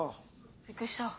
びっくりした。